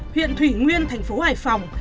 huyện thủy nguyên thành phố hải phòng